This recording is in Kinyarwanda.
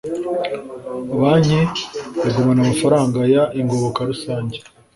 banki igumana amafaranga y ingoboka rusange